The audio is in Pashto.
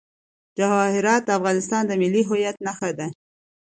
جواهرات د افغانستان د ملي هویت نښه ده.